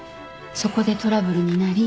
そこでトラブルになり。